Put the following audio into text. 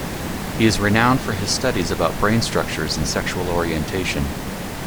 He is renowned for his studies about brain structures and sexual orientation.